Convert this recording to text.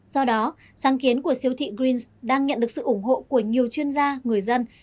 do đó sáng kiến của siêu thị greens đang nhận được sự ủng hộ của nhiều chuyên gia người dân